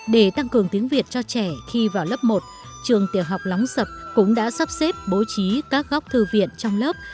để tăng cường tiếng việt cho trẻ khi vào lớp một trường tiểu học lóng sập cũng đã sắp xếp bố trí các góc thư viện trong lớp